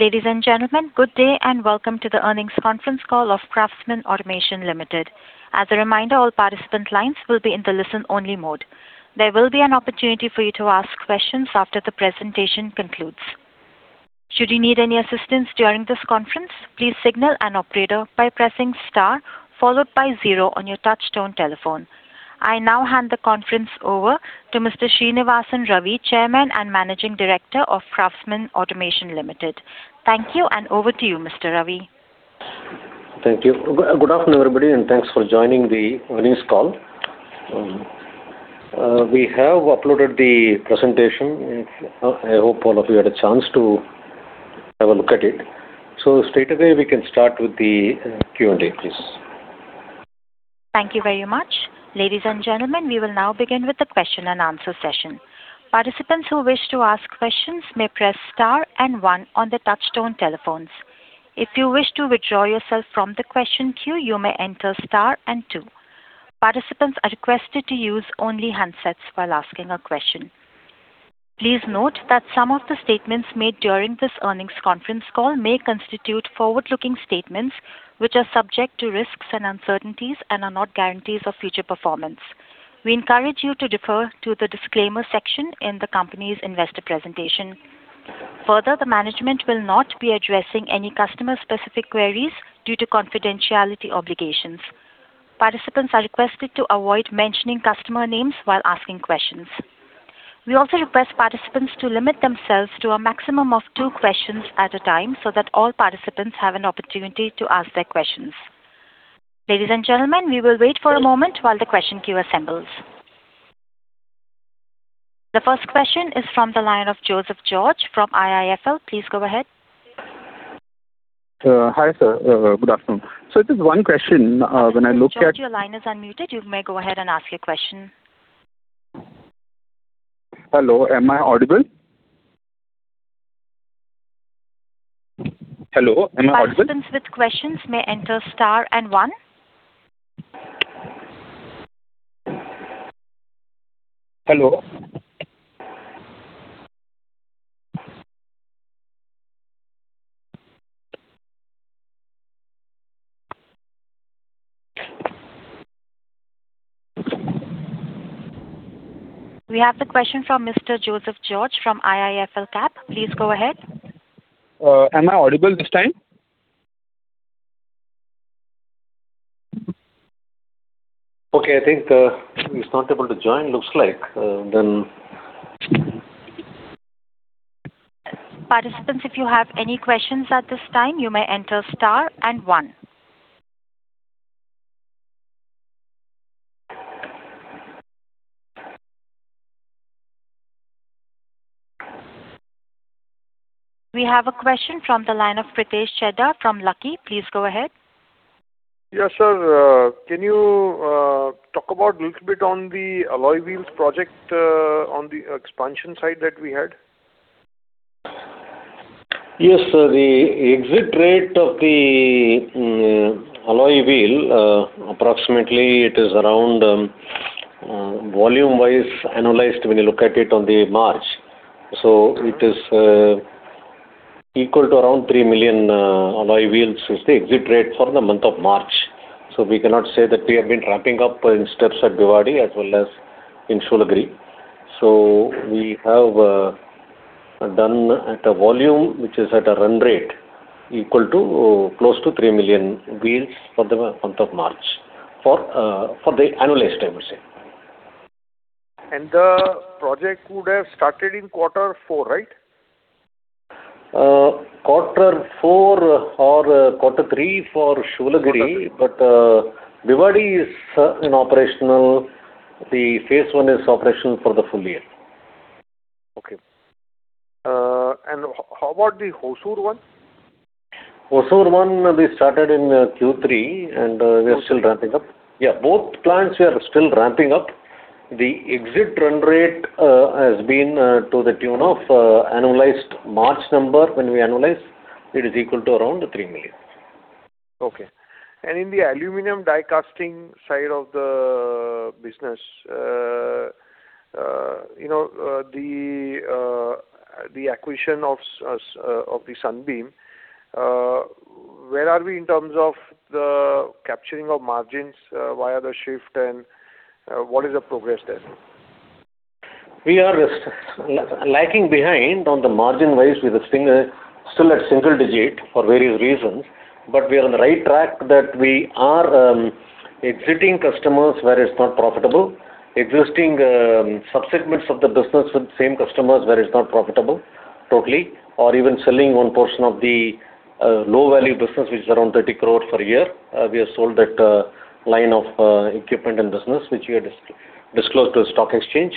Ladies and gentlemen, good day and welcome to the earnings conference call of Craftsman Automation Limited. As a reminder, all participant lines will be in the listen only mode. There will be an opportunity for you to ask questions after the presentation concludes. Should you need any assistance during this conference, please signal an operator by pressing star followed by zero on your touchtone telephone. I now hand the conference over to Mr. Srinivasan Ravi, Chairman and Managing Director of Craftsman Automation Limited. Thank you and over to you, Mr. Ravi. Thank you. Good afternoon, everybody, and thanks for joining the earnings call. We have uploaded the presentation. If I hope all of you had a chance to have a look at it. Straightaway we can start with the Q&A, please. Thank you very much. Ladies and gentlemen, we will now begin with the question and answer session. Participants who wish to ask questions may press star and one on their touchtone telephones. If you wish to withdraw yourself from the question queue, you may enter star and two. Participants are requested to use only handsets while asking a question. Please note that some of the statements made during this earnings conference call may constitute forward-looking statements, which are subject to risks and uncertainties and are not guarantees of future performance. We encourage you to defer to the disclaimer section in the company's investor presentation. Further, the management will not be addressing any customer-specific queries due to confidentiality obligations. Participants are requested to avoid mentioning customer names while asking questions. We also request participants to limit themselves to a maximum of two questions at a time, so that all participants have an opportunity to ask their questions. Ladies and gentlemen, we will wait for a moment while the question queue assembles. The first question is from the line of Joseph George from IIFL. Please go ahead. Hi, sir. Good afternoon. Just one question. Mr. George, your line is unmuted. You may go ahead and ask your question. Hello, am I audible? Hello, am I audible? Participants with questions may enter star and one. Hello. We have the question from Mr. Joseph George from IIFL Capital. Please go ahead. Am I audible this time? Okay, I think he's not able to join looks like. Participants, if you have any questions at this time, you may enter star and one. We have a question from the line of Pritesh Chheda from Lucky. Please go ahead. Yes, sir. Can you talk about little bit on the alloy wheels project, on the expansion side that we had? Yes, sir. The exit rate of the alloy wheel, approximately it is around volume-wise annualized when you look at it on the March. It is equal to around 3 million alloy wheels is the exit rate for the month of March. We cannot say that we have been ramping up in steps at Bhiwadi as well as in Shoolagiri. We have done at a volume which is at a run rate equal to close to 3 million wheels for the month of March for the annualized time, say. The project would have started in quarter four, right? Quarter four or quarter three for Shoolagiri. Quarter three. Bhiwadi is in operational. The phase one is operational for the full year. Okay. And how about the Hosur one? Hosur one we started in Q3, and we are still ramping up. Okay. Yeah, both plants we are still ramping up. The exit run rate has been to the tune of annualized March number when we annualize, it is equal to around 3 million. Okay. In the aluminium die casting side of the business, you know, the acquisition of Sunbeam, where are we in terms of the capturing of margins via the shift and what is the progress there? We are just lacking behind on the margin-wise with a single, still at single-digit for various reasons. We are on the right track that we are exiting customers where it's not profitable, exiting subsegments of the business with same customers where it's not profitable totally or even selling one portion of the low-value business which is around 30 crore per year. We have sold that line of equipment and business which we had disclosed to the stock exchange.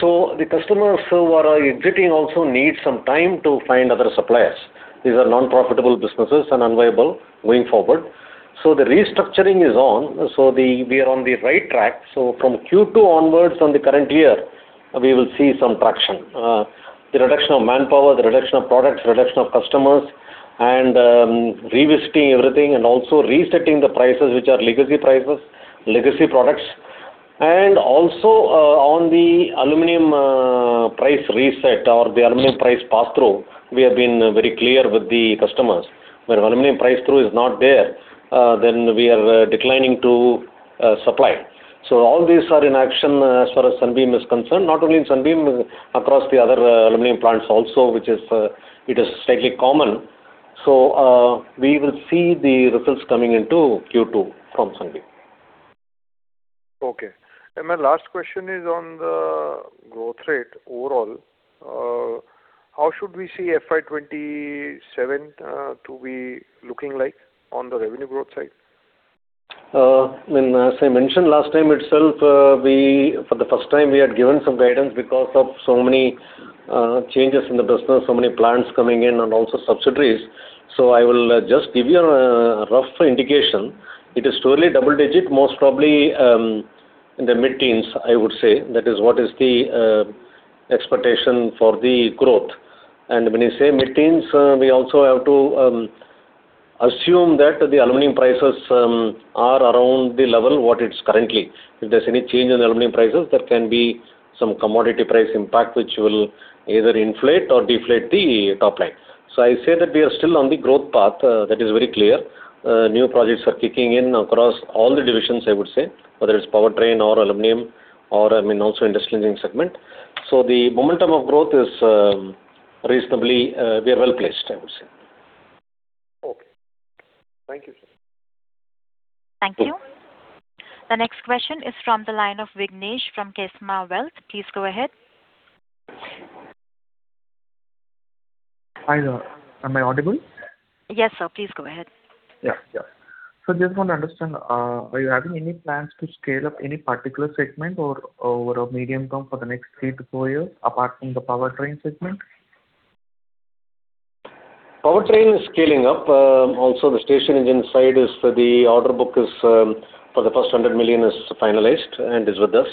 The customers who are exiting also need some time to find other suppliers. These are non-profitable businesses and unviable going forward. The restructuring is on, we are on the right track. From Q2 onwards on the current year, we will see some traction. The reduction of manpower, the reduction of products, reduction of customers and revisiting everything and also resetting the prices which are legacy prices, legacy productsAnd also, on the aluminum, price reset or the aluminum price pass-through, we have been very clear with the customers. Where aluminum price through is not there, then we are declining to supply. All these are in action as far as Sunbeam is concerned. Not only in Sunbeam, across the other, aluminum plants also, which is, it is slightly common. We will see the results coming into Q2 from Sunbeam. Okay. My last question is on the growth rate overall. How should we see FY 2027 to be looking like on the revenue growth side? As I mentioned last time itself, we for the first time we had given some guidance because of so many changes in the business, so many plants coming in and also subsidiaries. I will just give you a rough indication. It is truly double digit, most probably, in the mid-teens, I would say. That is what is the expectation for the growth. When you say mid-teens, we also have to assume that the aluminum prices are around the level what it's currently. If there's any change in aluminum prices, there can be some commodity price impact which will either inflate or deflate the top line. I say that we are still on the growth path. That is very clear. New projects are kicking in across all the divisions, I would say, whether it's powertrain or aluminum or, I mean, also industrial engineering segment. The momentum of growth is reasonably, we are well-placed, I would say. Okay. Thank you, sir. Thank you. The next question is from the line of Vignesh from Ksema Wealth. Please go ahead. Hi there. Am I audible? Yes, sir. Please go ahead. Yeah, yeah. Just want to understand, are you having any plans to scale up any particular segment or over a medium term for the next three to four years, apart from the powertrain segment? Powertrain is scaling up. Also the stationary engine side is the order book is for the first 100 million is finalized and is with us.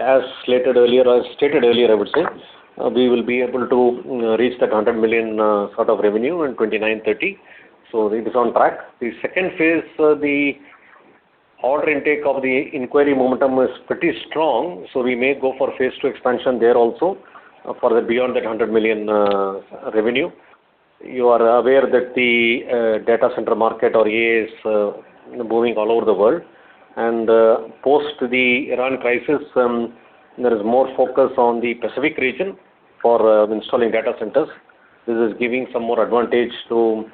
As slated earlier, as stated earlier, I would say, we will be able to reach that 100 million sort of revenue in 2029-2030. It is on track. The second phase, the order intake of the inquiry momentum is pretty strong, so we may go for phase two expansion there also, for the beyond that 100 million revenue. You are aware that the data center market or AI is booming all over the world. Post the Iran crisis, there is more focus on the Pacific region for installing data centers. This is giving some more advantage to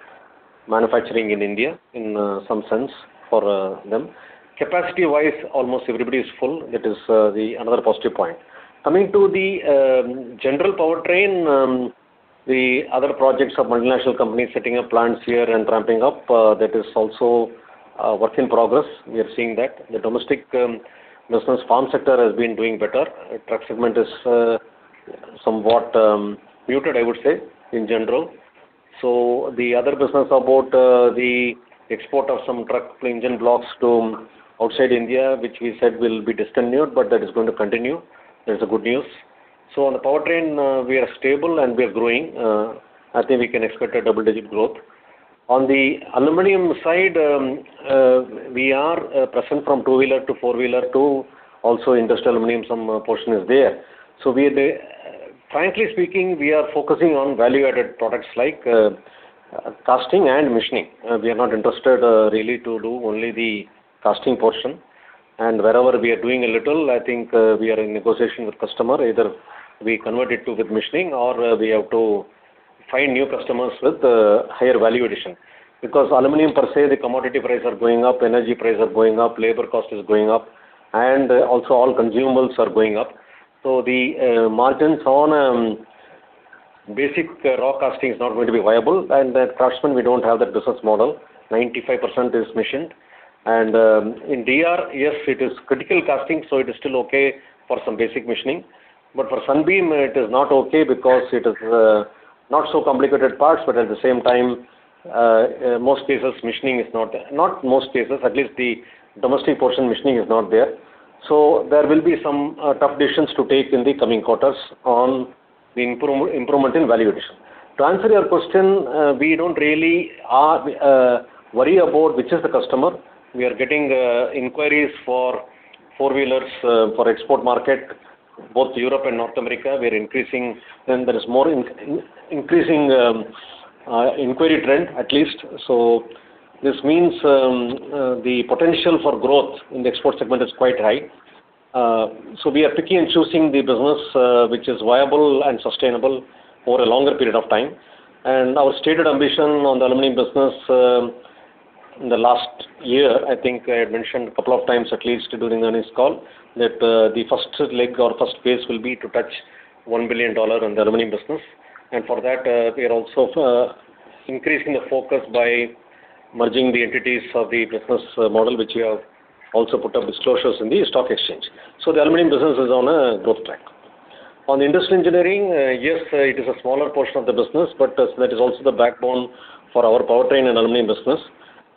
manufacturing in India in some sense for them. Capacity-wise, almost everybody is full. That is the another positive point. Coming to the general powertrain, the other projects of multinational companies setting up plants here and ramping up, that is also work in progress. We are seeing that. The domestic business farm sector has been doing better. Truck segment is somewhat muted, I would say, in general. The other business about the export of some truck engine blocks to outside India, which we said will be discontinued, but that is going to continue. That is the good news. On the powertrain, we are stable, and we are growing. I think we can expect a double-digit growth. On the aluminum side, we are present from two-wheeler to four-wheeler to also industrial aluminum, some portion is there. Frankly speaking, we are focusing on value-added products like casting and machining. We are not interested really to do only the casting portion. Wherever we are doing a little, I think, we are in negotiation with customer. Either we convert it to with machining or we have to find new customers with higher value addition. Because aluminum per se, the commodity prices are going up, energy prices are going up, labor cost is going up, and also all consumables are going up. The margins on basic raw casting is not going to be viable. At Craftsman, we don't have that business model. 95% is machined. In DR Axion, it is critical casting, so it is still okay for some basic machining. For Sunbeam, it is not okay because it is not so complicated parts, but at the same time, most cases machining is not there. Not most cases, at least the domestic portion machining is not there. There will be some tough decisions to take in the coming quarters on the improvement in value addition. To answer your question, we don't really worry about which is the customer. We are getting inquiries for four-wheelers for export market, both Europe and North America. We are increasing, and there is more increasing inquiry trend, at least. This means the potential for growth in the export segment is quite high. We are picky in choosing the business which is viable and sustainable over a longer period of time. Our stated ambition on the aluminium business, in the last year, I think I had mentioned a couple of times at least during the earnings call, that the first leg or first phase will be to touch $1 billion on the aluminium business. For that, we are also increasing the focus by merging the entities of the business model, which we have also put up disclosures in the stock exchange. The aluminium business is on a growth track. On the industrial engineering, yes, it is a smaller portion of the business, but that is also the backbone for our powertrain and aluminium business.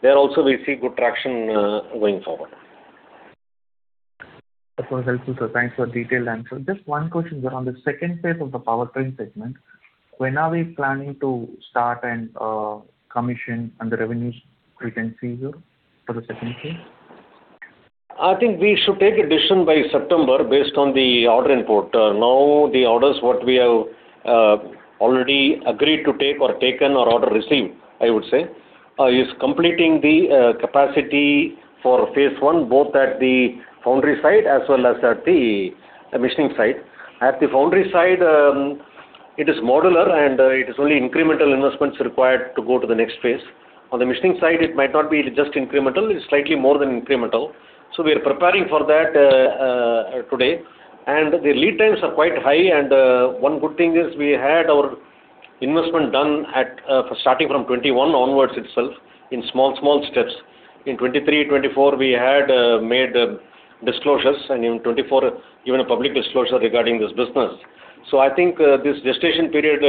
There also we see good traction going forward. That was helpful, sir. Thanks for detailed answer. Just one question, sir. On the second phase of the powertrain segment. When are we planning to start and commission and the revenues we can see here for the second phase? I think we should take a decision by September based on the order input. Now the orders what we have already agreed to take or taken or order received, I would say, is completing the capacity for phase one, both at the foundry site as well as at the machining site. At the foundry site, it is modular and it is only incremental investments required to go to the next phase. On the machining side, it might not be just incremental, it's slightly more than incremental. We are preparing for that today. The lead times are quite high. One good thing is we had our investment done at starting from 2021 onwards itself in small steps. In 2023, 2024, we had made disclosures, in 2024 even a public disclosure regarding this business. I think this gestation period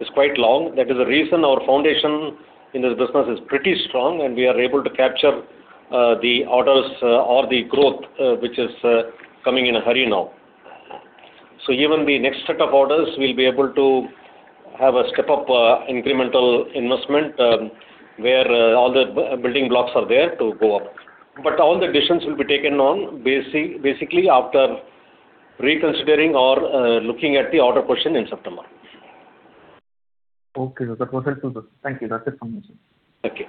is quite long. That is the reason our foundation in this business is pretty strong, and we are able to capture the orders or the growth which is coming in a hurry now. Even the next set of orders, we'll be able to have a step-up incremental investment where all the building blocks are there to go up. All the decisions will be taken on basically after reconsidering or looking at the order position in September. Okay. That was helpful, sir. Thank you. That's it from me, sir. Okay.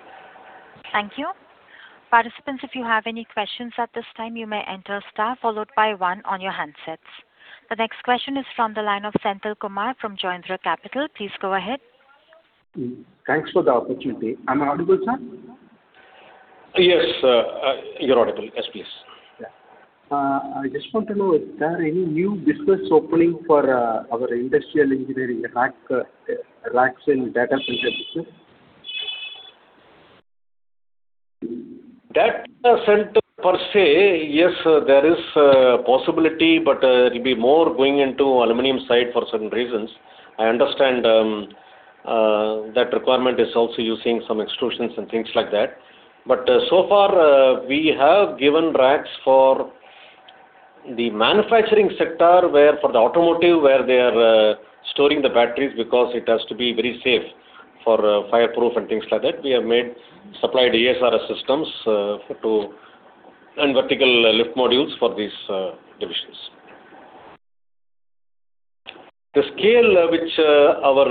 Thank you. Participants, if you have any questions at this time, you may enter star followed by one on your handsets. The next question is from the line of Senthilkumar from Joindre Capital. Please go ahead. Thanks for the opportunity. Am I audible, sir? Yes, you're audible. Yes, please. I just want to know if there are any new business opening for our industrial engineering racks in data center business? Data center per se, yes, there is a possibility, but it'll be more going into aluminum side for certain reasons. I understand that requirement is also using some extrusions and things like that. So far, we have given racks for the manufacturing sector, where for the automotive, where they are storing the batteries because it has to be very safe for fireproof and things like that. We have made supplied ASRS systems and vertical lift modules for these divisions. The scale which our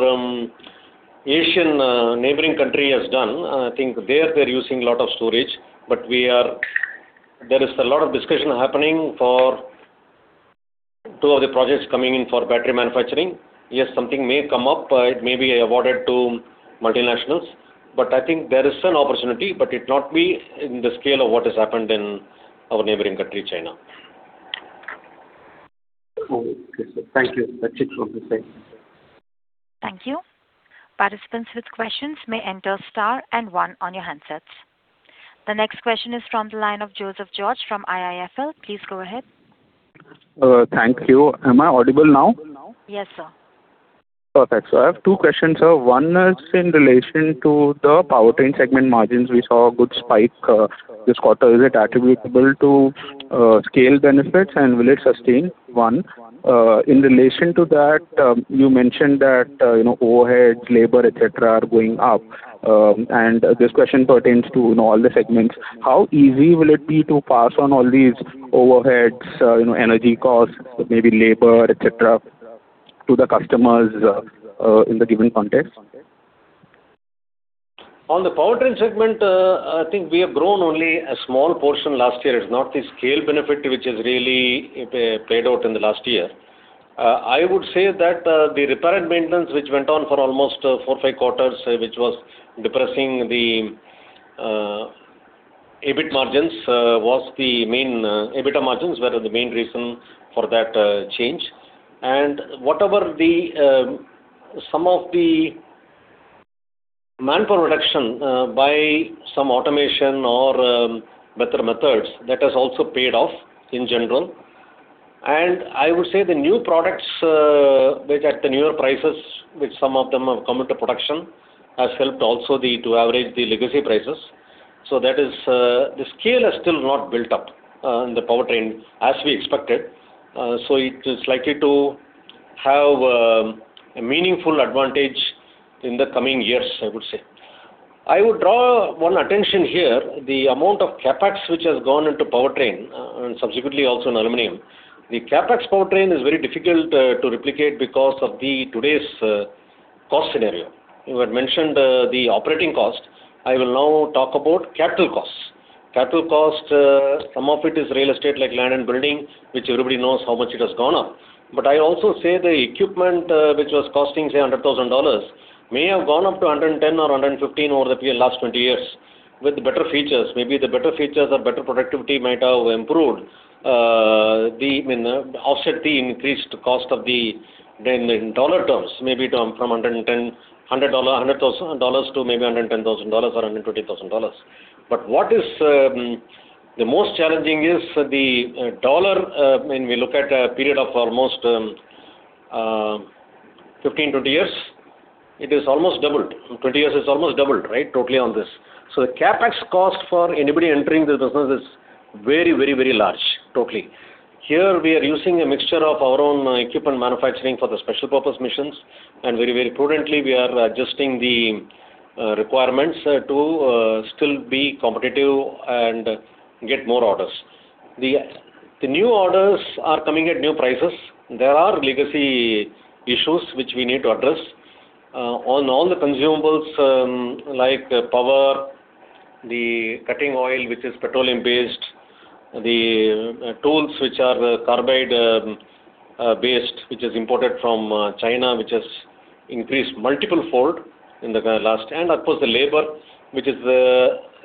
Asian neighboring country has done, I think there they're using a lot of storage. There is a lot of discussion happening for two of the projects coming in for battery manufacturing. Yes, something may come up. It may be awarded to multinationals, but I think there is an opportunity, but it not be in the scale of what has happened in our neighboring country, China. Okay. Thank you. That's it from this end. Thank you. Participants with questions may enter star and one on your handsets. The next question is from the line of Joseph George from IIFL. Please go ahead. Thank you. Am I audible now? Yes, sir. Perfect. I have two questions, sir. One is in relation to the powertrain segment margins. We saw a good spike this quarter. Is it attributable to scale benefits, and will it sustain? One. In relation to that, you mentioned that, you know, overheads, labor, et cetera, are going up. This question pertains to, you know, all the segments. How easy will it be to pass on all these overheads, you know, energy costs, maybe labor, et cetera, to the customers in the given context? On the powertrain segment, I think we have grown only a small portion last year. It's not the scale benefit which has really played out in the last year. I would say that the repair and maintenance which went on for almost four, five quarters, which was depressing the EBIT margins, was the main EBITDA margins were the main reason for that change. Whatever the, some of the manpower reduction, by some automation or better methods, that has also paid off in general. I would say the new products, which at the newer prices, which some of them have come into production, has helped also the, to average the legacy prices. That is, the scale has still not built up in the powertrain as we expected. It is likely to have a meaningful advantage in the coming years, I would say. I would draw one attention here. The amount of CapEx which has gone into powertrain and subsequently also in aluminum. The CapEx powertrain is very difficult to replicate because of the today's cost scenario. You had mentioned the operating cost. I will now talk about capital costs. Capital cost, some of it is real estate like land and building, which everybody knows how much it has gone up. But I also say the equipment which was costing, say, $100,000 may have gone up to $110 or $115 over the period last 20 years with better features. Maybe the better features or better productivity might have improved, offset the increased cost of the, in dollar terms, maybe from $100,000 to maybe $110,000 or $120,000. What is the most challenging is the dollar when we look at a period of almost 15, 20 years. It is almost doubled. In 20 years, it's almost doubled, right, totally on this. The CapEx cost for anybody entering this business is very, very, very large, totally. Here we are using a mixture of our own equipment manufacturing for the special purpose machines, and very, very prudently we are adjusting the requirements to still be competitive and get more orders. The new orders are coming at new prices. There are legacy issues which we need to address on all the consumables, like power, the cutting oil, which is petroleum-based, the tools which are carbide based, which is imported from China, which has increased multiple-fold in the last. Of course the labor, which is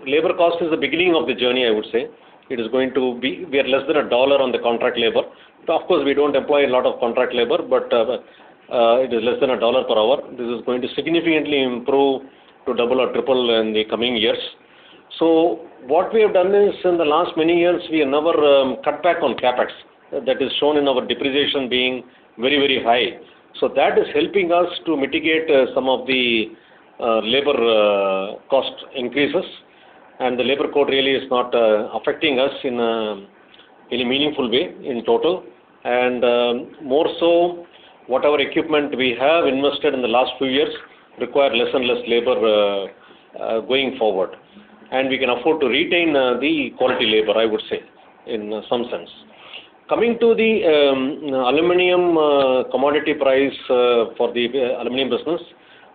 labor cost, is the beginning of the journey, I would say. We are less than $1 on the contract labor. Of course, we don't employ a lot of contract labor, but it is less than $1 per hour. This is going to significantly improve to double or triple in the coming years. What we have done is in the last many years, we have never cut back on CapEx. That is shown in our depreciation being very, very high. That is helping us to mitigate some of the labor cost increases, and the labor code really is not affecting us in a meaningful way in total. More so, whatever equipment we have invested in the last few years require less and less labor going forward. We can afford to retain the quality labor, I would say, in some sense. Coming to the aluminum commodity price for the aluminum business,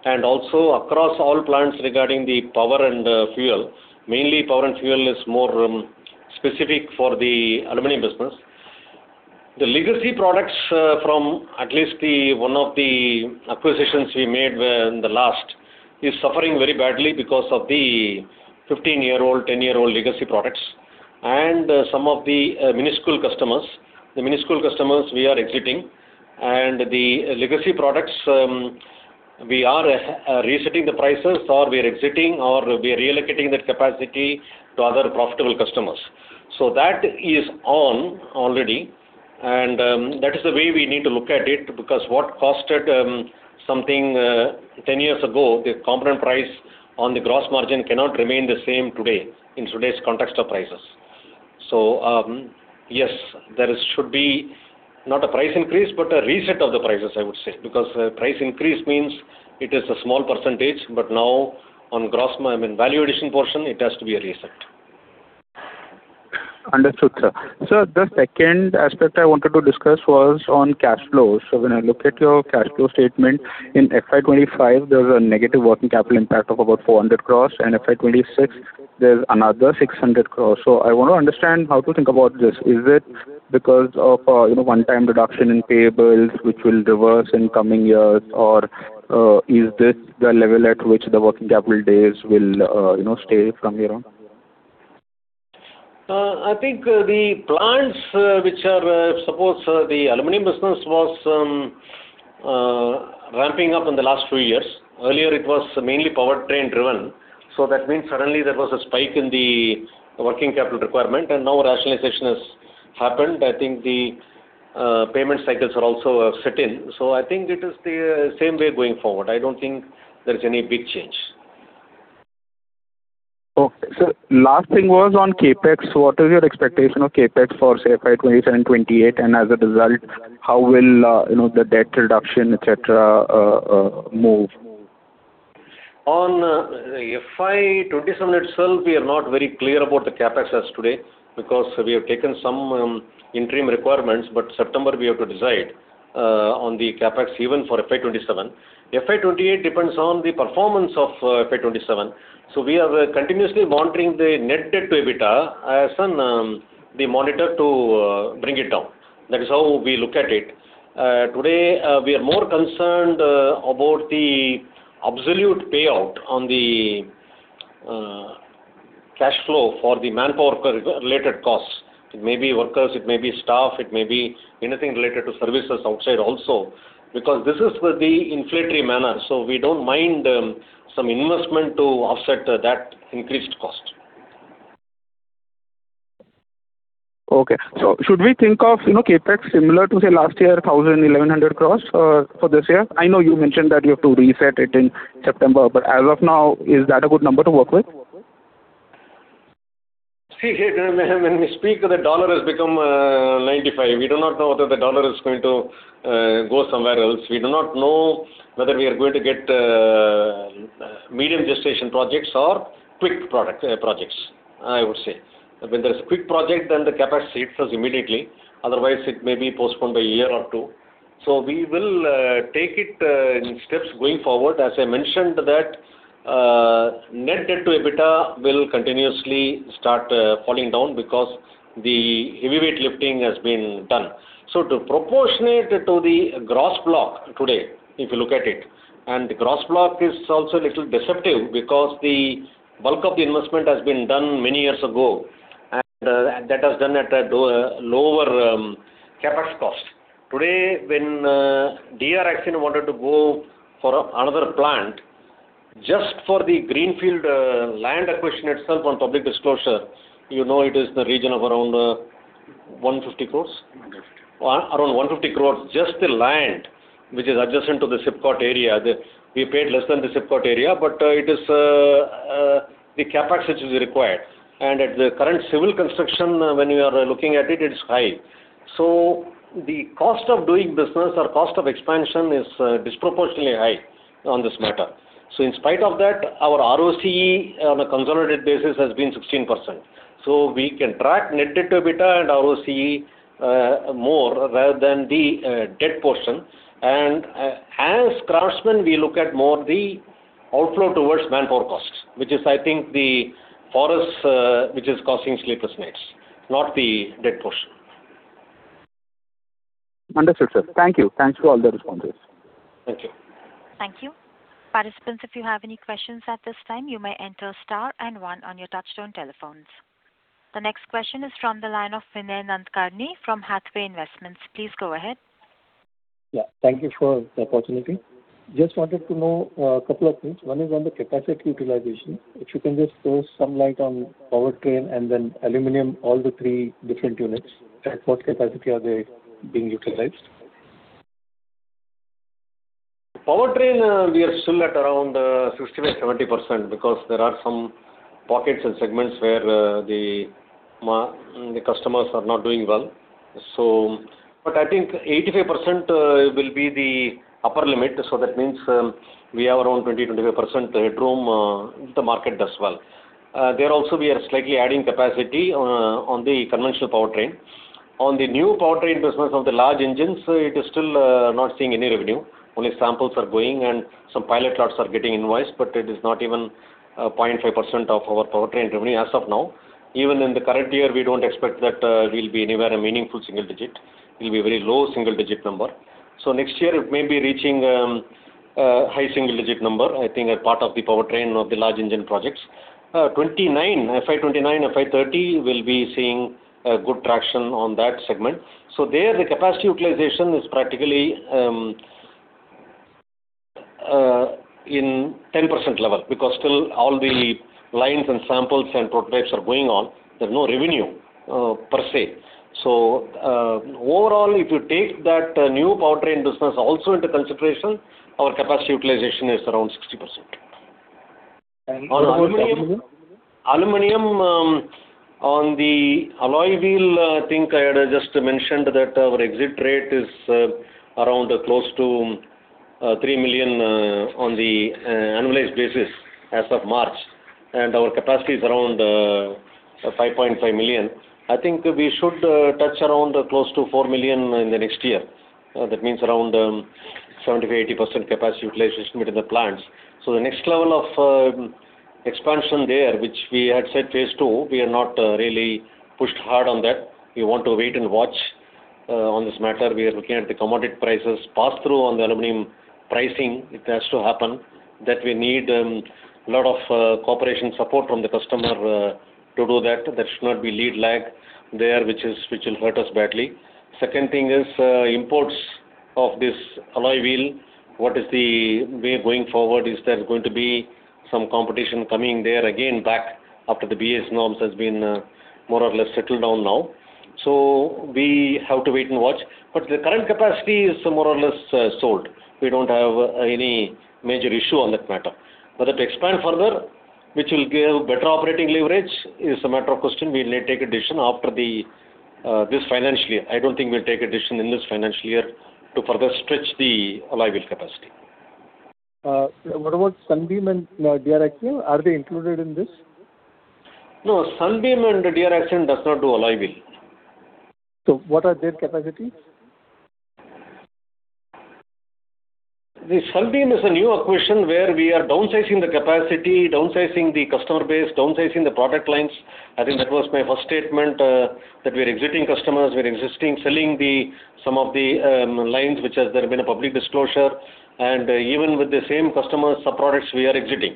and also across all plants regarding the power and fuel. Mainly power and fuel is more specific for the aluminum business. The legacy products from at least the one of the acquisitions we made in the last, is suffering very badly because of the 15-year-old, 10-year-old legacy products and some of the minuscule customers. The minuscule customers we are exiting. The legacy products, we are resetting the prices or we are exiting or we are relocating that capacity to other profitable customers. That is on already, that is the way we need to look at it because what costed something 10 years ago, the component price on the gross margin cannot remain the same today, in today's context of prices. Yes, there should be not a price increase, but a reset of the prices, I would say. A price increase means it is a small %, but now on I mean, value addition portion, it has to be a reset. Understood, sir. Sir, the second aspect I wanted to discuss was on cash flows. When I look at your cash flow statement, in FY 2025 there was a negative working capital impact of about 400 crore, and FY 2026 there's another 600 crore. I want to understand how to think about this. Is it because of, you know, one-time reduction in payables which will reverse in coming years? Or is this the level at which the working capital days will, you know, stay from here on? I think the plants which are suppose, the aluminum business was ramping up in the last few years. Earlier it was mainly powertrain driven, so that means suddenly there was a spike in the working capital requirement and now rationalization has happened. I think the payment cycles are also set in. I think it is the same way going forward. I don't think there is any big change. Okay. Sir, last thing was on CapEx. What is your expectation of CapEx for, say, FY 2027, 2028? As a result, how will, you know, the debt reduction, et cetera, move? On FY 2027 itself, we are not very clear about the CapEx as today because we have taken some interim requirements. September we have to decide on the CapEx even for FY 2027. FY 2028 depends on the performance of FY 2027. We are continuously monitoring the net debt to EBITDA as the monitor to bring it down. That is how we look at it. Today, we are more concerned about the absolute payout on the cash flow for the manpower related costs. It may be workers, it may be staff, it may be anything related to services outside also. This is the inflationary manner. We don't mind some investment to offset that increased cost. Okay. Should we think of, you know, CapEx similar to, say, last year, 1,000 crore-1,100 crore for this year? I know you mentioned that you have to reset it in September, as of now, is that a good number to work with? See, when we speak, the dollar has become 95. We do not know whether the dollar is going to go somewhere else. We do not know whether we are going to get medium gestation projects or quick product projects, I would say. When there is a quick project, then the CapEx hits us immediately. Otherwise, it may be postponed by a year or two. We will take it in steps going forward. As I mentioned that, net debt to EBITDA will continuously start falling down because the heavyweight lifting has been done. To proportionate to the gross block today, if you look at it, and the gross block is also a little deceptive because the bulk of the investment has been done many years ago, and that was done at a low, lower CapEx cost. Today, when DR Axion wanted to go for another plant. Just for the greenfield, land acquisition itself on public disclosure, you know it is in the region of around, 150 crore. Understood. Around 150 crore, just the land which is adjacent to the SIPCOT area. We paid less than the SIPCOT area, it is the CapEx which is required. At the current civil construction, when you are looking at it's high. The cost of doing business or cost of expansion is disproportionately high on this matter. In spite of that, our ROCE on a consolidated basis has been 16%. We can track net debt to EBITDA and ROCE more rather than the debt portion. As Craftsman, we look at more the outflow towards manpower costs, which is I think the forest which is causing sleepless nights, not the debt portion. Understood, sir. Thank you. Thanks for all the responses. Thank you. Thank you. Participants, if you have any questions at this time, you may enter star and one on your touchtone telephones. The next question is from the line of Vinay Nadkarni from Hathway Investments. Please go ahead. Thank you for the opportunity. Just wanted to know a couple of things. One is on the capacity utilization. If you can just throw some light on powertrain and then aluminum, all the three different units. At what capacity are they being utilized? Powertrain, we are still at around 60%-70% because there are some pockets and segments where the customers are not doing well. But I think 85% will be the upper limit. That means, we have around 20%-25% headroom if the market does well. There also we are slightly adding capacity on the conventional powertrain. On the new powertrain business of the large engines, it is still not seeing any revenue. Only samples are going and some pilot lots are getting invoiced, but it is not even 0.5% of our powertrain revenue as of now. Even in the current year, we don't expect that we'll be anywhere a meaningful single-digit. It'll be a very low single-digit number. Next year it may be reaching a high single-digit number, I think a part of the powertrain of the large engine projects. 29, FY 2029, FY 2030 will be seeing good traction on that segment. There the capacity utilization is practically in 10% level because still all the lines and samples and prototypes are going on. There is no revenue per se. Overall, if you take that new powertrain business also into consideration, our capacity utilization is around 60%. On aluminum? Aluminum, on the alloy wheel, I think I had just mentioned that our exit rate is around close to 3 million on the annualized basis as of March, and our capacity is around 5.5 million. I think we should touch around close to 4 million in the next year. That means around 70%-80% capacity utilization within the plants. The next level of expansion there, which we had said phase two, we are not really pushed hard on that. We want to wait and watch on this matter. We are looking at the commodity prices pass through on the aluminum pricing. It has to happen. That we need lot of cooperation, support from the customer to do that. There should not be lead lag there, which will hurt us badly. Second thing is, imports of this alloy wheel. What is the way going forward? Is there going to be some competition coming there again back after the BS norms has been more or less settled down now? We have to wait and watch. The current capacity is more or less sold. We don't have any major issue on that matter. To expand further, which will give better operating leverage is a matter of question. We'll take a decision after this financial year. I don't think we'll take a decision in this financial year to further stretch the alloy wheel capacity. What about Sunbeam and DR Axion? Are they included in this? No. Sunbeam and DR Axion does not do alloy wheel. What are their capacities? The Sunbeam is a new acquisition where we are downsizing the capacity, downsizing the customer base, downsizing the product lines. I think that was my first statement, that we are exiting customers. We are exiting selling the some of the lines which has there been a public disclosure. Even with the same customers, some products we are exiting.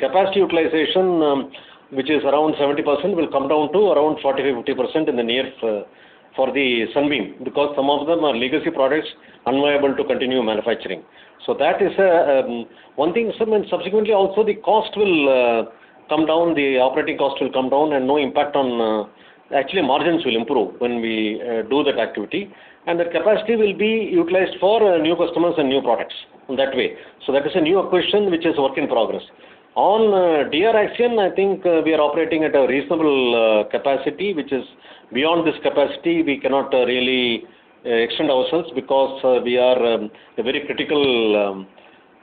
Capacity utilization, which is around 70%, will come down to around 45%-50% in the near for the Sunbeam because some of them are legacy products unviable to continue manufacturing. That is one thing, and subsequently also the cost will come down, the operating cost will come down and no impact on. Actually margins will improve when we do that activity. That capacity will be utilized for new customers and new products in that way. That is a new acquisition which is work in progress. On DR Axion, I think, we are operating at a reasonable capacity, which is beyond this capacity we cannot really extend ourselves because we are a very critical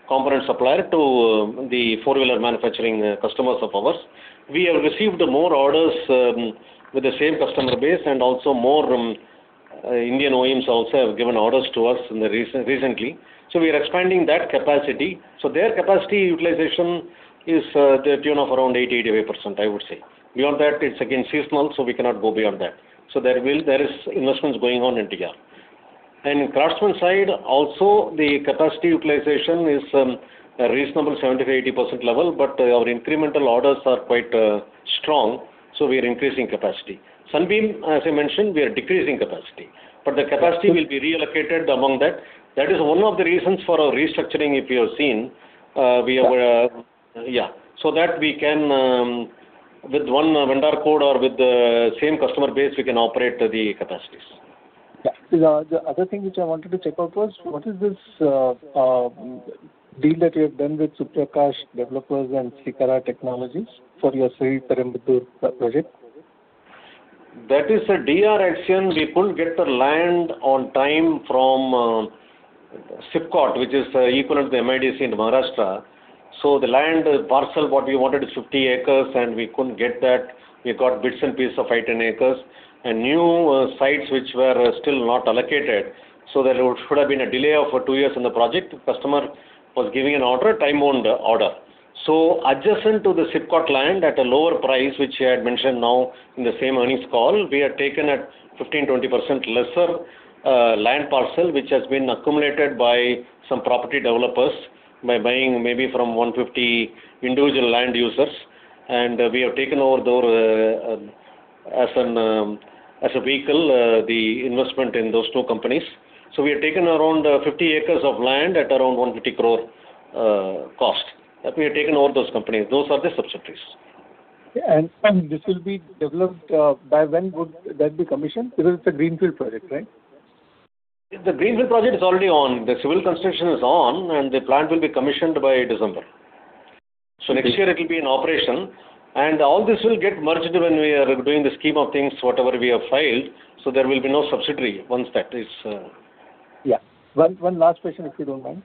component supplier to the four-wheeler manufacturing customers of ours. We have received more orders with the same customer base and also more Indian OEMs also have given orders to us recently. We are expanding that capacity. Their capacity utilization is the tune of around 80%-85%, I would say. Beyond that, it's again seasonal, so we cannot go beyond that. There will, there is investments going on in DR. Craftsman side also the capacity utilization is a reasonable 70%-80% level, but our incremental orders are quite strong, so we are increasing capacity. Sunbeam, as I mentioned, we are decreasing capacity. The capacity will be reallocated among that. That is one of the reasons for our restructuring, if you have seen. That we can, with one vendor code or with the same customer base, we can operate the capacities. The other thing which I wanted to check out was what is this deal that you have done with Suprash Developers and Srikara Technologies for your Sriperumbudur project? That is a DR Axion. We couldn't get the land on time from SIPCOT, which is equivalent to MIDC in Maharashtra. The land parcel what we wanted is 50 acres, we couldn't get that. We got bits and pieces of eight, 10 acres and new sites which were still not allocated. There should have been a delay of two years in the project. The customer was giving an order, a time-bound order. Adjacent to the SIPCOT land at a lower price, which I had mentioned now in the same earnings call, we had taken a 15%, 20% lesser land parcel, which has been accumulated by some property developers by buying maybe from 150 individual land users. We have taken over their as a vehicle, the investment in those two companies. We have taken around 50 acres of land at around 150 crore cost, that we have taken over those companies. Those are the subsidiaries. Okay. This will be developed, by when would that be commissioned? Because it's a greenfield project, right? The greenfield project is already on. The civil construction is on, and the plant will be commissioned by December. Next year it will be in operation. All this will get merged when we are doing the scheme of things, whatever we have filed. There will be no subsidiary. Yeah. One last question, if you don't mind.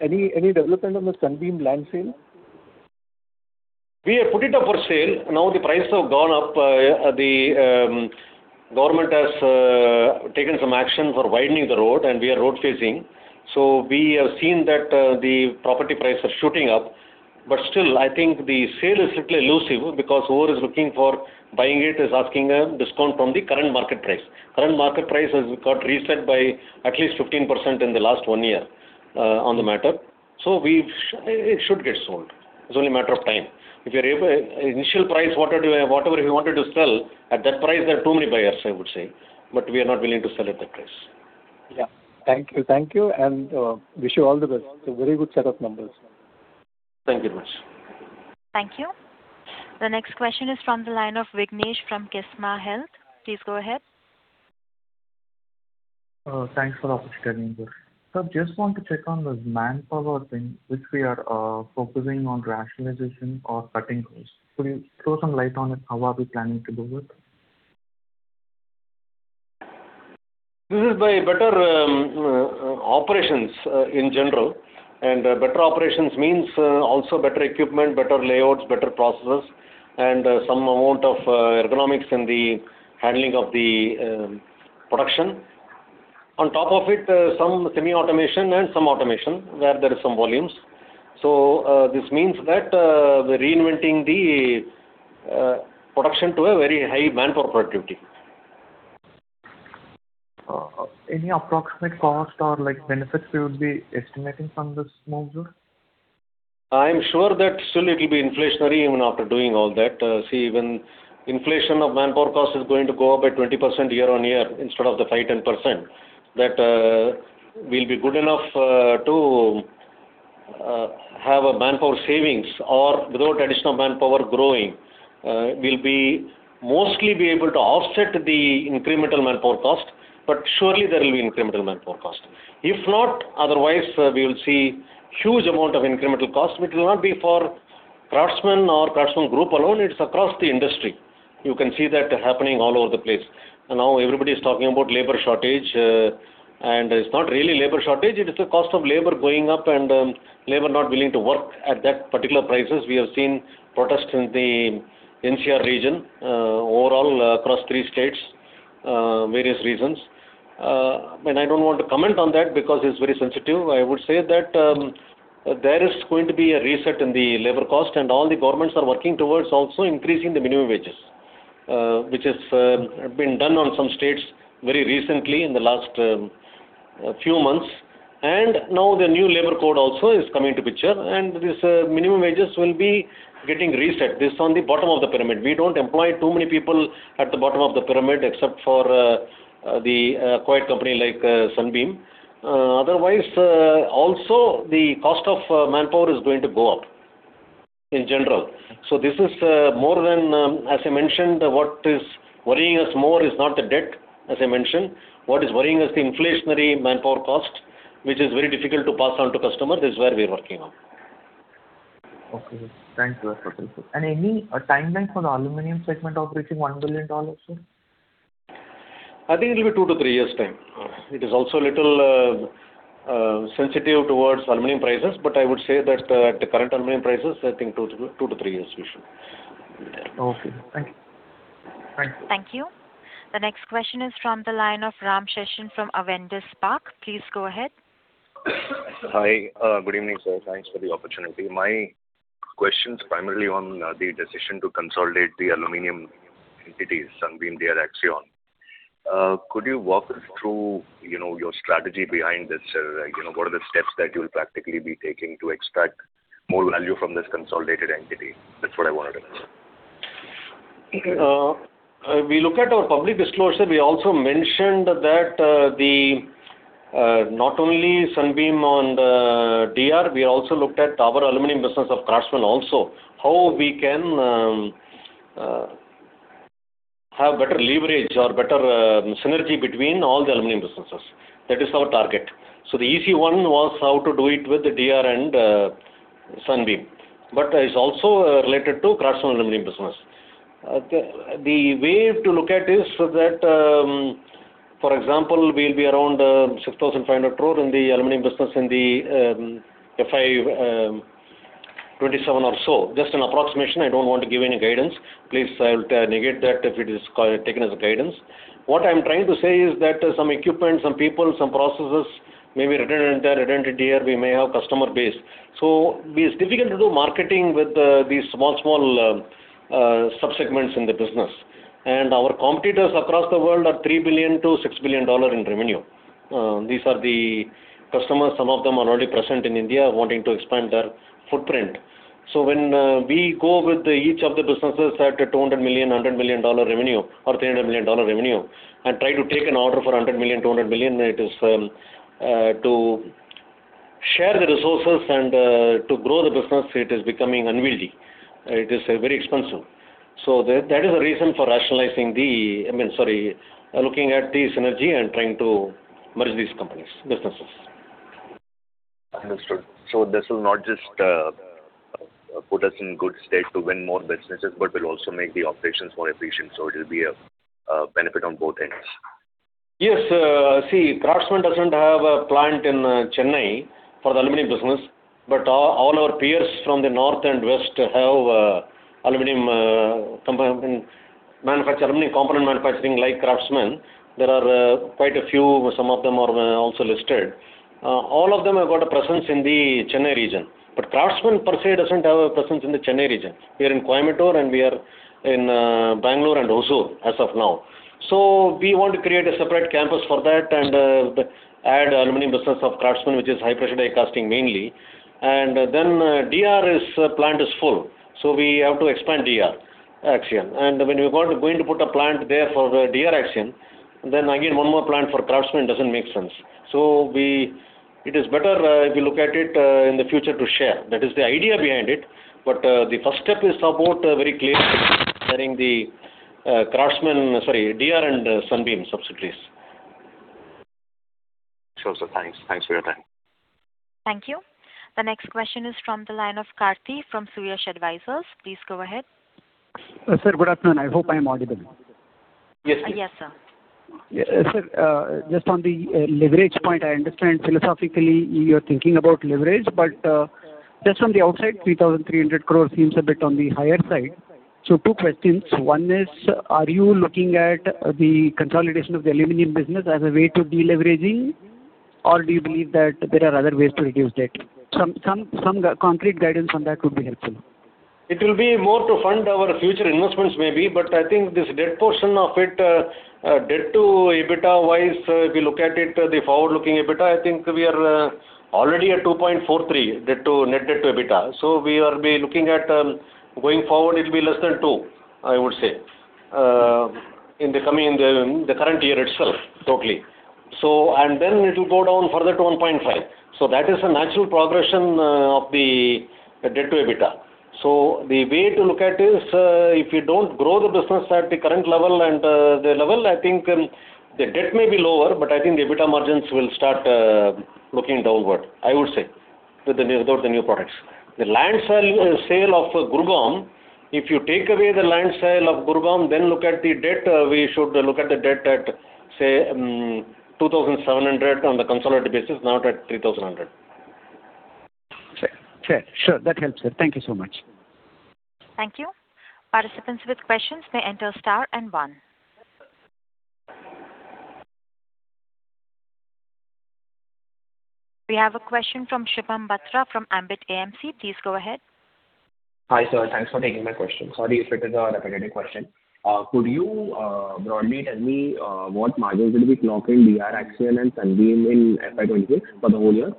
Any development on the Sunbeam land sale? We have put it up for sale. The prices have gone up. The government has taken some action for widening the road, and we are road facing. We have seen that the property prices are shooting up. Still, I think the sale is little elusive because whoever is looking for buying it is asking a discount from the current market price. Current market price has got reset by at least 15% in the last one year on the matter. It should get sold. It's only a matter of time. Whatever you wanted to sell, at that price there are too many buyers, I would say, but we are not willing to sell at that price. Yeah. Thank you. Thank you. Wish you all the best. A very good set of numbers. Thank you much. Thank you. The next question is from the line of Vignesh from Ksema Wealth. Please go ahead. Thanks for the opportunity. Sir, just want to check on this manpower thing which we are focusing on rationalization or cutting costs. Could you throw some light on it, how are we planning to do it? This is by better operations in general. Better operations means also better equipment, better layouts, better processes, and some amount of ergonomics in the handling of the production. On top of it, some semi-automation and some automation where there is some volumes. This means that we're reinventing the production to a very high manpower productivity. Any approximate cost or like benefits we would be estimating from this move, sir? I am sure that still it will be inflationary even after doing all that. When inflation of manpower cost is going to go up by 20% year-on-year instead of the 5%, 10%, that will be good enough to have a manpower savings or without additional manpower growing. We'll mostly be able to offset the incremental manpower cost, surely there will be incremental manpower cost. If not, otherwise, we will see huge amount of incremental cost, which will not be for Craftsman or Craftsman Group alone, it's across the industry. You can see that happening all over the place. Now everybody is talking about labor shortage, it's not really labor shortage, it is the cost of labor going up and labor not willing to work at that particular prices. We have seen protests in the NCR region, overall across three states, various reasons. I don't want to comment on that because it's very sensitive. I would say that there is going to be a reset in the labor cost, all the governments are working towards also increasing the minimum wages, which has been done on some states very recently in the last few months. Now the new labor code also is coming to picture, this minimum wages will be getting reset. This is on the bottom of the pyramid. We don't employ too many people at the bottom of the pyramid except for the acquired company like Sunbeam. Otherwise, also the cost of manpower is going to go up in general. This is more than, as I mentioned, what is worrying us more is not the debt, as I mentioned. What is worrying us the inflationary manpower cost, which is very difficult to pass on to customer. This is where we are working on. Okay. Thanks for your perspective. Any timeline for the aluminum segment of reaching INR 1 billion, sir? I think it will be two to three years' time. It is also a little sensitive towards aluminum prices, but I would say that at the current aluminum prices, I think two to three years we should be there. Okay. Thank you. Thank you. Thank you. The next question is from the line of Ram Seshan from Avendus Spark. Please go ahead. Hi. Good evening, sir. Thanks for the opportunity. My question is primarily on the decision to consolidate the aluminum entities, Sunbeam, DR Axion. Could you walk us through, you know, your strategy behind this? You know, what are the steps that you'll practically be taking to extract more value from this consolidated entity? That's what I wanted to know. We look at our public disclosure. We also mentioned that not only Sunbeam and DR, we also looked at our aluminum business of Craftsman also. How we can have better leverage or better synergy between all the aluminum businesses. That is our target. The easy one was how to do it with the DR and Sunbeam. It's also related to Craftsman aluminum business. The way to look at is so that, for example, we'll be around 6,500 crore in the aluminum business in the FY 2027 or so. Just an approximation. I don't want to give any guidance. Please, I'll negate that if it is taken as a guidance. What I'm trying to say is that some equipment, some people, some processes may be redundant here. We may have customer base. It's difficult to do marketing with these small subsegments in the business. Our competitors across the world are $3 billion-$6 billion in revenue. These are the customers. Some of them are already present in India wanting to expand their footprint. When we go with each of the businesses at $200 million, $100 million revenue or $300 million revenue and try to take an order for $100 million, $200 million, it is to share the resources and to grow the business, it is becoming unwieldy. It is very expensive. That is the reason for rationalizing the I mean, sorry, looking at the synergy and trying to merge these companies, businesses. Understood. This will not just put us in good state to win more businesses, but will also make the operations more efficient, so it'll be a benefit on both ends. Yes. see, Craftsman doesn't have a plant in Chennai for the aluminum business, but all our peers from the north and west have aluminum component manufacturing like Craftsman. There are quite a few. Some of them are also listed. All of them have got a presence in the Chennai region. Craftsman per se doesn't have a presence in the Chennai region. We are in Coimbatore, and we are in Bangalore and Hosur as of now. We want to create a separate campus for that and add aluminum business of Craftsman, which is high pressure die casting mainly. DR's plant is full, we have to expand DR Axion. When we going to put a plant there for the DR Axion, then again, one more plant for Craftsman doesn't make sense. It is better if you look at it in the future to share. That is the idea behind it. The first step is about very clear carrying the Craftsman Sorry, DR and Sunbeam subsidiaries. Sure, sir. Thanks. Thanks for your time. Thank you. The next question is from the line of Karthi from Suyash Advisors. Please go ahead. Sir, good afternoon. I hope I am audible. Yes, please. Yes, sir. Yeah. Sir, just on the leverage point, I understand philosophically you're thinking about leverage, but just from the outside, 3,300 crore seems a bit on the higher side. Two questions. One is, are you looking at the consolidation of the aluminum business as a way to deleveraging, or do you believe that there are other ways to reduce debt? Concrete guidance on that would be helpful. It will be more to fund our future investments maybe, I think this debt portion of it, debt to EBITDA-wise, if you look at it, the forward-looking EBITDA, I think we are already at 2.43 net debt to EBITDA. We are be looking at, going forward, it'll be less than two, I would say, in the coming, the current year itself, totally. It'll go down further to 1.5. That is a natural progression of the debt to EBITDA. The way to look at is, if you don't grow the business at the current level and, the level, I think, the debt may be lower, but I think the EBITDA margins will start looking downward, I would say, with the new, without the new products. The land sale of Gurgaon, if you take away the land sale of Gurgaon, then look at the debt, we should look at the debt at, say, 2,700 crore on the consolidated basis, not at 3,100 crore. Fair. Fair. Sure. That helps, sir. Thank you so much. Thank you. Participants with questions may enter star and one. We have a question from Shubham Bhatra from Ambit AMC. Please go ahead. Hi, sir. Thanks for taking my question. Sorry if it is a repetitive question. Could you broadly tell me what margins will you be clocking DR Axion and Sunbeam in FY 2023 for the whole year?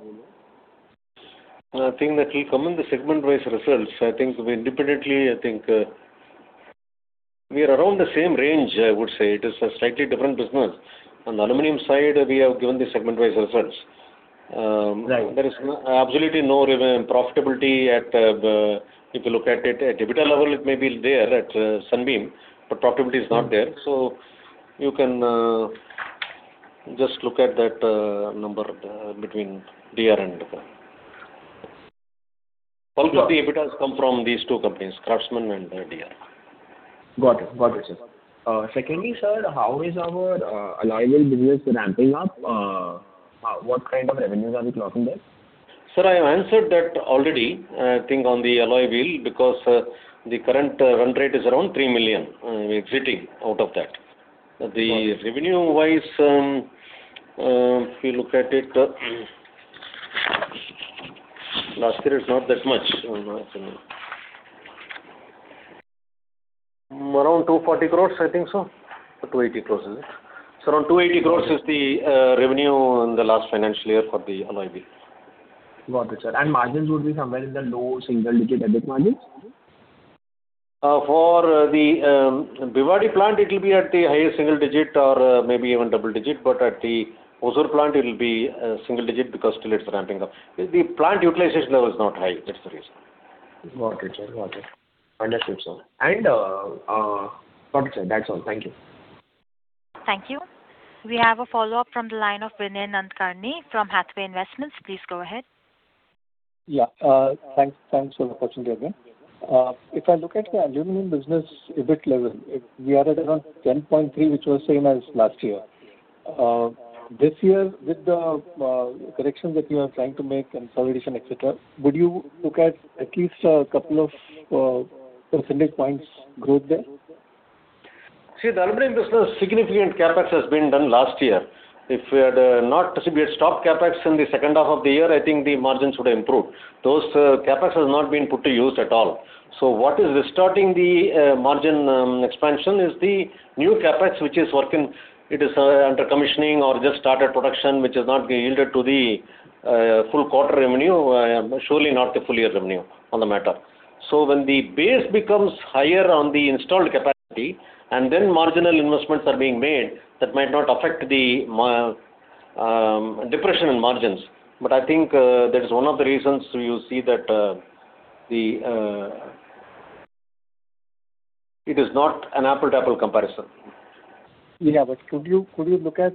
I think that will come in the segment-wise results. I think we independently, I think, we are around the same range, I would say. It is a slightly different business. On the aluminum side, we have given the segment-wise results. Right. There is absolutely no profitability at, if you look at it at EBITDA level, it may be there at Sunbeam, but profitability is not there. You can just look at that number between DR. Okay. Most of the EBITDAs come from these two companies, Craftsman and DR. Got it. Got it, sir. Secondly, sir, how is our alloy wheel business ramping up? What kind of revenues are we clocking there? Sir, I answered that already, I think, on the alloy wheel, because the current run rate is around 3 million exiting out of that. Got it. The revenue-wise, if you look at it, Last year it's not that much. Around 240 crore, I think so. Or 280 crore, is it? Around 280 crore is the revenue in the last financial year for the alloy wheel. Got it, sir. Margins would be somewhere in the low single digit EBIT margins? For the Bhiwadi plant, it will be at the highest single digit or maybe even double digit, but at the Hosur plant it will be single digit because still it's ramping up. The plant utilization level is not high. That's the reason. Got it, sir. Got it. Understood, sir. Got it, sir. That's all. Thank you. Thank you. We have a follow-up from the line of Vinay Nadkarni from Hathway Investments. Please go ahead. Yeah, thanks for the opportunity again. If I look at the aluminum business EBIT level, we are at around 10.3%, which was same as last year. This year with the correction that you are trying to make in consolidation, et cetera, would you look at at least a couple of percentage points growth there? The aluminum business significant CapEx has been done last year. If we had stopped CapEx in the second half of the year, I think the margins would have improved. Those CapEx has not been put to use at all. What is restarting the margin expansion is the new CapEx which is working. It is under commissioning or just started production, which has not yielded to the full quarter revenue, surely not the full year revenue on the matter. When the base becomes higher on the installed capacity marginal investments are being made, that might not affect the depression in margins. I think that is one of the reasons you see that it is not an apple-to-apple comparison. Yeah, could you look at,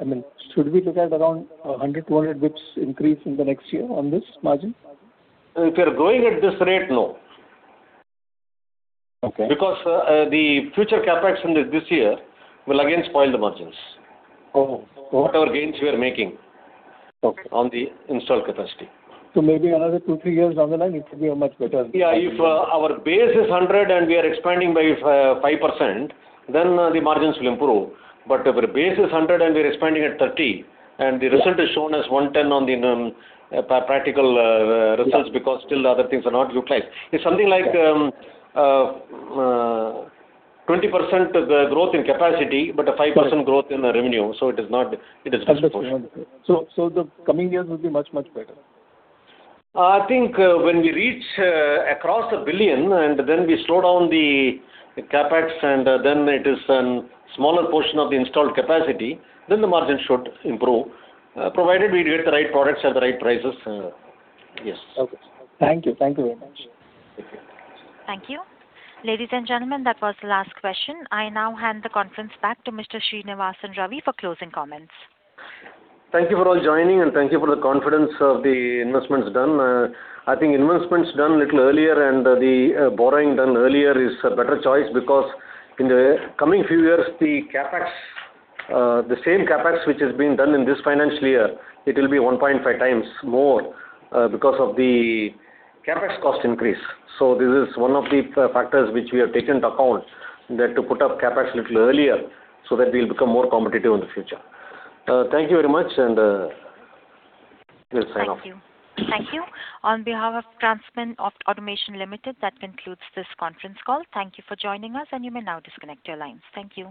I mean, should we look at around 100, 200 basis points increase in the next year on this margin? If you're going at this rate, no. Okay. The future CapEx in this year will again spoil the margins. Oh, oh. Whatever gains we are making. Okay. on the installed capacity. Maybe another two, three years down the line it could be. If our base is 100 and we are expanding by 5%, then the margins will improve. If our base is 100 and we are expanding at 30, and the result is shown as 110 on the practical results because still other things are not utilized. It's something like 20% the growth in capacity but a 5% growth in the revenue, so it is disproportionate. Understood. The coming years will be much better. I think when we reach across 1 billion and then we slow down the CapEx and then it is an smaller portion of the installed capacity, the margin should improve, provided we get the right products at the right prices, yes. Okay. Thank you. Thank you very much. Thank you. Thank you. Ladies and gentlemen, that was the last question. I now hand the conference back to Mr. Srinivasan Ravi for closing comments. Thank you for all joining, and thank you for the confidence of the investments done. I think investments done a little earlier and the borrowing done earlier is a better choice because in the coming few years the CapEx, the same CapEx which has been done in this financial year, it will be 1.5 times more because of the CapEx cost increase. This is one of the factors which we have taken into account that to put up CapEx a little earlier so that we'll become more competitive in the future. Thank you very much, and we'll sign off. Thank you. Thank you. On behalf of Craftsman Automation Limited, that concludes this conference call. Thank you for joining us, you may now disconnect your lines. Thank you.